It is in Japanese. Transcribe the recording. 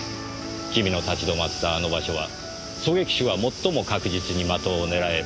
君の立ち止まったあの場所は狙撃手が最も確実に的を狙える